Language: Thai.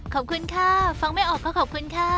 ขอบคุณค่ะฟังไม่ออกก็ขอบคุณค่ะ